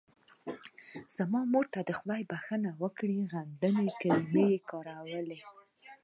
زما مور ته خدای بښنه وکړي د غندنې کلمه کاروله.